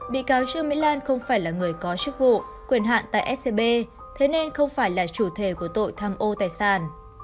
bị cáo trương mỹ lan không phải là người có chức vụ quyền hạn tại scb thế nên không phải là chủ thể của tội tham ô tài sản